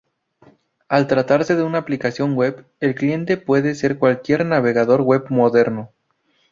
Al tratarse de una aplicación web, el cliente puede ser cualquier navegador web moderno.